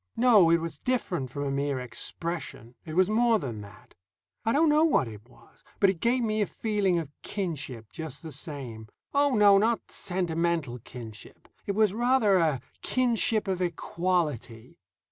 No; it was different from a mere expression; it was more than that. I don't know what it was, but it gave me a feeling of kinship just the same. Oh, no, not sentimental kinship. It was, rather, a kinship of equality.